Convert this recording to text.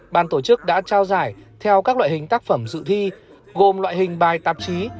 ban tổ chức đã trao giải theo các loại hình tác phẩm dự thi gồm loại hình bài tạp chí